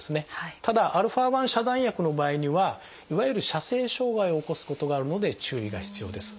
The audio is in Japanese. ただα遮断薬の場合にはいわゆる射精障害を起こすことがあるので注意が必要です。